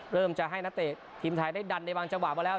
เริ่มจะให้นักเตะทีมไทยได้ดันในบางจังหวะมาแล้ว